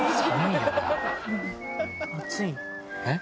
えっ？